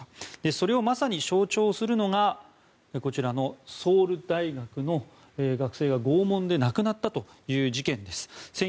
それをまさに象徴するのがソウル大学の学生が拷問で亡くなったという事件です。